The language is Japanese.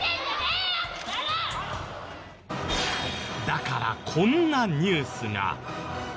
だからこんなニュースが。